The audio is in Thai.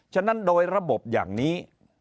ฉะนั้นโดยระบบอย่างนี้